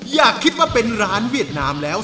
อยากคิดว่าเป็นร้านเวียดนามแล้ว